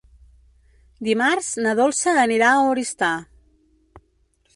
Dimarts na Dolça anirà a Oristà.